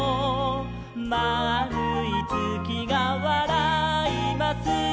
「まあるいつきがわらいます」